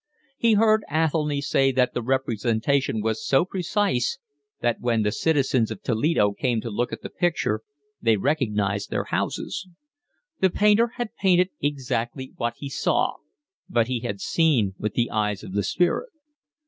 He heard Athelny say that the representation was so precise that when the citizens of Toledo came to look at the picture they recognised their houses. The painter had painted exactly what he saw but he had seen with the eyes of the spirit.